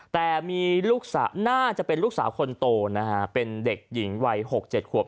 แต่มีลูกสาวน่าจะเป็นลูกสาวคนโตนะฮะเป็นเด็กหญิงวัย๖๗ขวบ